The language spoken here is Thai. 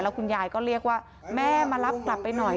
คุณยายก็เรียกว่าแม่มารับกลับไปหน่อย